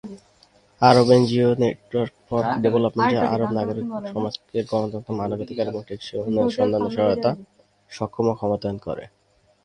Arab NGO network for development, যা আরব নাগরিক সমাজকে গণতন্ত্র, মানবাধিকার এবং টেকসই উন্নয়নের সন্ধানে সহায়তা, সক্ষম ও ক্ষমতায়ন করে।